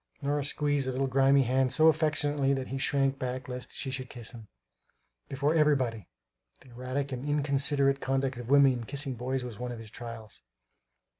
Nora squeezed the little grimy hand so affectionately that he shrank back lest she should kiss him, "before everybody" the erratic and inconsiderate conduct of women in kissing boys was one of his trials.